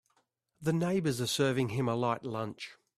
The neighbors are serving him a light lunch.